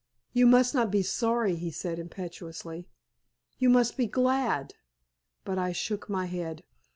"You must not be sorry," he said, impetuously; "you must be glad." But I shook my head.